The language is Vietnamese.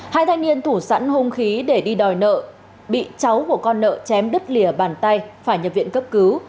hai thanh niên thủ sẵn hông khí để đi đòi nợ bị cháu của con nợ chém đứt lìa bàn tay phải nhập viện cấp cứu